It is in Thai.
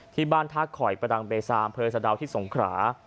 ที่บ้านท่าข่อยประดังเบซาอำเภอสะดาวที่สงขรา